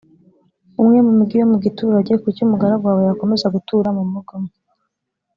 umwe mu migi yo mu giturage kuki umugaragu wawe yakomeza gutura mu mugi umwe